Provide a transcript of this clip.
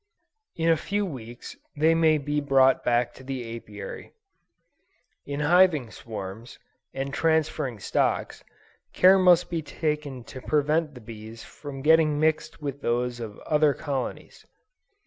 In a few weeks they may be brought back to the Apiary. In hiving swarms, and transferring stocks, care must be taken to prevent the bees from getting mixed with those of other colonies.